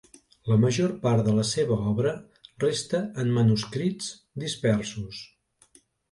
La major part de la seva obra resta en manuscrits dispersos.